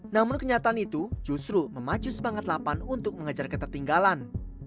namun kenyataan itu justru memacu semangat lapan untuk mengejar ketertinggalan